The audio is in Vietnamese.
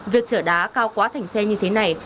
việc chở đá cao quá thành xe như thế này